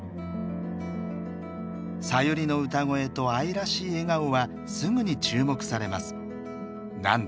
さゆりの歌声と愛らしい笑顔はすぐに注目されます。